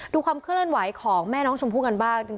ความเคลื่อนไหวของแม่น้องชมพู่กันบ้าง